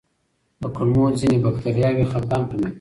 د کولمو ځینې بکتریاوې خپګان کموي.